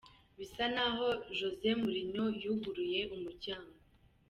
Bisa naho Jose Mourinho yuguruye umuryango.